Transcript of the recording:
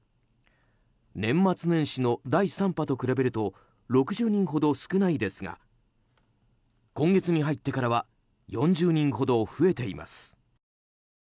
年末年始の第３波と比べると６０人ほど少ないですが今月に入ってからは４０人ほど増えています。